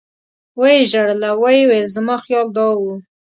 و یې ژړل او ویې ویل زما خیال دا و.